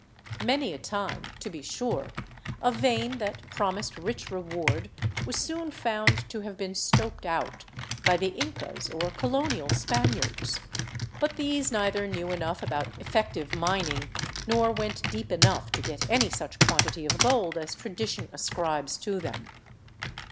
Many a time, to be sure, a vein that promised rich reward was soon found to have been " stoped out " by the Incas or colonial Spaniards ; but these neither knew enough about effective mining, nor went deep enough to get any such quantity of gold as tradition ascribes to them.